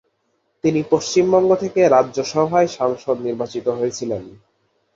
তিনি পশ্চিমবঙ্গ থেকে রাজ্যসভায় সাংসদ নির্বাচিত হয়েছিলেন।